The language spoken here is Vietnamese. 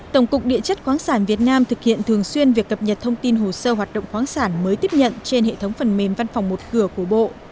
tổng cục địa chất quán sản việt nam thực hiện thường xuyên việc cập nhật thông tin hồ sơ hoạt động khoáng sản mới tiếp nhận trên hệ thống phần mềm văn phòng một cửa của bộ